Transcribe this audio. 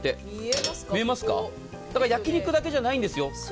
見えますか・焼き肉だけじゃないんですよ。